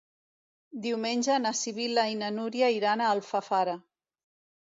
Diumenge na Sibil·la i na Núria iran a Alfafara.